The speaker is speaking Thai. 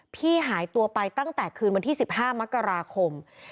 พี่หายตัวไปตั้งแต่คืนวันที่๑๕มกราคม